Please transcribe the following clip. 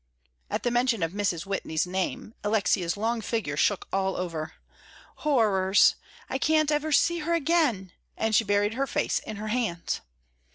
At the mention of Mrs. Whitney's name, Alexia's long figure shook all over. "Horrors! I can't ever see her again!" and she buried her face in her hands.